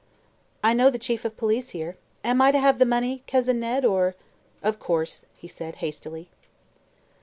"I know the Chief of Police here. Am I to have that, money, Cousin Ned, or " "Of course," he said hastily.